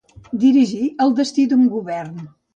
Dirigí el destí d'un govern.